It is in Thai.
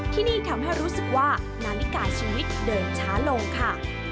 ที่นี่ทำให้รู้สึกว่านาฬิกาชีวิตเดินช้าลงค่ะ